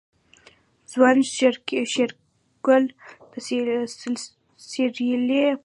ځوان شېرګل ته د سيرلي مننه وکړه.